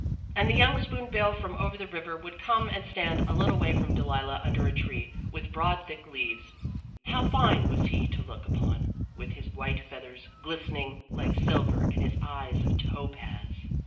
"And the young spoon bill from over the river would come and stand a little way from Delilah under a tree with broad thick leaves. How fine was he to look upon, with his white feathers glistening like silver and his eyes of topaz!